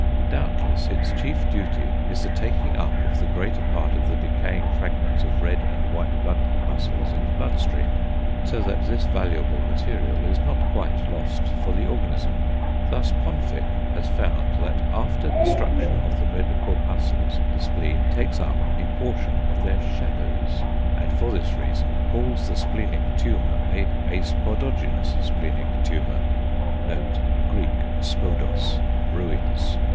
Doubtless its chief duty is the taking up of the greater part of the decaying fragments of red and white blood corpuscles in the blood stream, so that this valuable material is not quite lost for the organism. Thus Ponfick has found that after destruction of the red corpuscles the spleen takes up a portion of their "shadows," and for this reason calls the splenic tumour a spodogenous splenic tumour ([Greek: spodos], ruins).